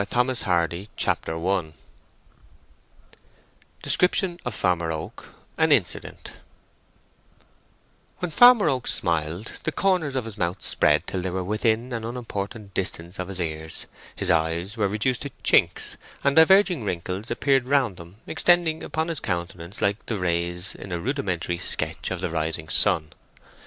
February 1895 CHAPTER I Description of Farmer Oak—An Incident When Farmer Oak smiled, the corners of his mouth spread till they were within an unimportant distance of his ears, his eyes were reduced to chinks, and diverging wrinkles appeared round them, extending upon his countenance like the rays in a rudimentary sketch of the rising sun.